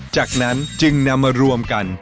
จากนั้นจึงนำมารวมกัน